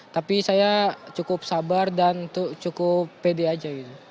tapi saya cukup sabar dan cukup pede aja gitu